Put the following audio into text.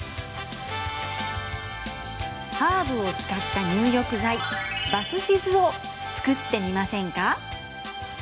ハーブを使った入浴剤バスフィズを作ってみませんか？